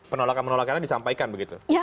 penolakan penolakan disampaikan begitu